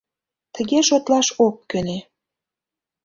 Тыге шотлаш ок кӧнӧ.